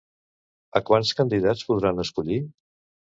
A quants candidats podran escollir?